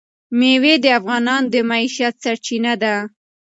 مېوې د افغانانو د معیشت سرچینه ده.